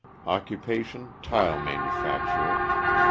Occupation, tile manufacturer.